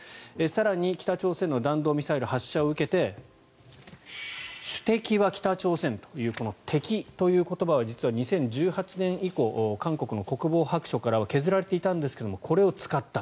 更に北朝鮮の弾道ミサイル発射を受けて主敵は北朝鮮という敵という言葉を実は２０１８年以降韓国の国防白書からは削られていたんですがこれを使った。